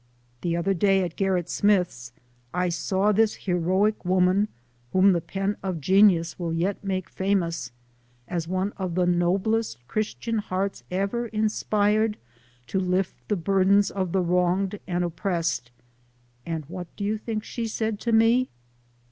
" The other day, at Gerrit Smith's, I saw this he roic woman, whom the pen of genius will yet make famous, as one of the noblest Christian hearts ever inspired to lift the burdens of the wronged and op pressed, and what do you think she said to me